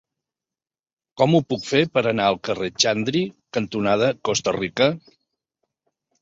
Com ho puc fer per anar al carrer Xandri cantonada Costa Rica?